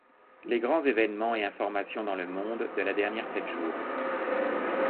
Les grands évènements et informations dans le monde de la dernière sept jours.